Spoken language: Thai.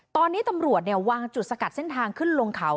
ตอนนี้ตำรวจวางจุดสกัดเส้นทางขึ้นลงเขา